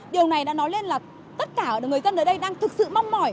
điều này đã nói lên là tất cả người dân ở đây đang thực sự mong mỏi